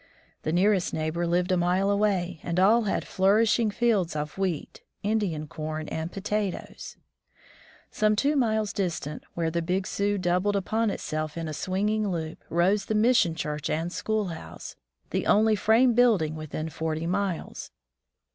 The nearest neighbor lived a mile away, and all had flourishing fields of wheat, Indian corn and potatoes. 14 My First School Days Some two miles distant, where the Big Sioux doubled upon itself in a swinging loop, rose the mission church and schoolhouse, the only frame building within forty miles.